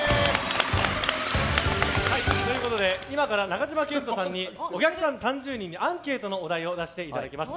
今から、中島健人さんにお客さん３０人にアンケートのお題を出していただきます。